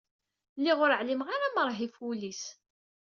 Lliɣ ur ɛlimeɣ ma rhif wul-is.